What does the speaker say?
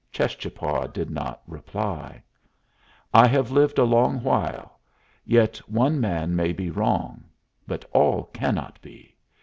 Cheschapah did not reply. "I have lived a long while. Yet one man may be wrong. But all cannot be.